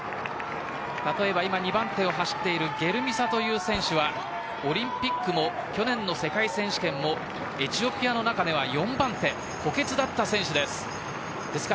例えば２番手を走っているゲルミサという選手はオリンピックも去年の世界選手権もエチオピアの中では４番手で補欠の選手です。